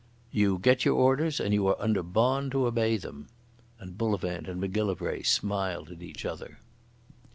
"You get your orders, and you are under bond to obey them." And Bullivant and Macgillivray smiled at each other.